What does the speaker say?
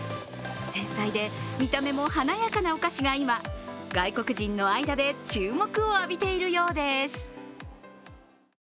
繊細で見た目も華やかなお菓子が今外国人の間で注目を浴びているようです。